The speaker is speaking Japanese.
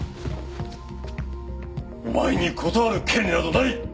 お前に断る権利などない！